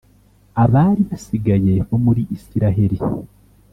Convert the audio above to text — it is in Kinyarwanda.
abari basigaye bo muri isiraheri